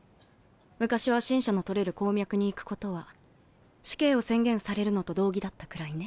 昔は辰砂の採れる鉱脈に行くことは死刑を宣言されるのと同義だったくらいね。